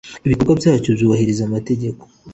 ibikorwa byacyo byubahiriza amategeko.